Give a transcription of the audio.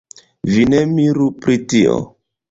Vi ne miru pri tio.